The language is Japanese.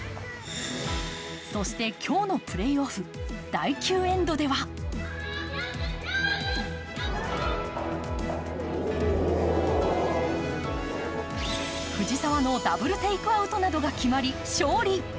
そして今日のプレーオフ、第９エンドでは藤澤のダブルテイクアウトなどが決まり、勝利。